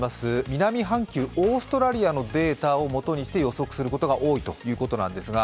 南半球オーストラリアのデータをもとにして予測することが多いということなんですが、